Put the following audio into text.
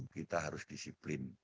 kita harus disiplin